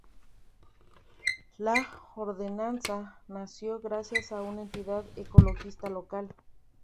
La ordenanza nació gracias a una entidad ecologista local.